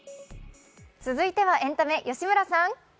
続いてはエンタメ、吉村さん。